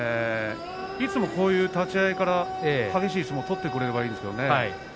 いつもこうやって立ち合いから激しい相撲を取ればいいんですけれどもね。